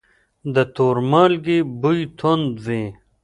د تور مالګې بوی توند وي.